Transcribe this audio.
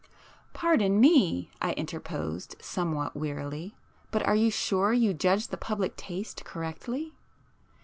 "Pardon me," I interposed somewhat wearily—"but are you sure you judge the public taste correctly?"